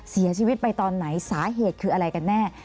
เสียชีวิตไปตอนไหนสาเหตุคืออะไรกันแน่